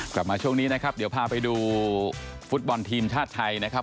กลับมาช่วงนี้นะครับเดี๋ยวพาไปดูฟุตบอลทีมชาติไทยนะครับ